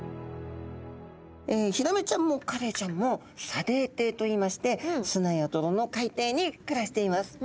ヒラメちゃんもカレイちゃんも砂泥底といいまして砂や泥の海底に暮らしています。